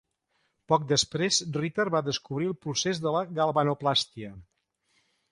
Poc després, Ritter va descobrir el procés de la galvanoplàstia.